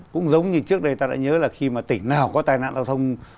cũng giống như trước đây ta đã nhớ là khi mà tỉnh nào có tai nạn giao thông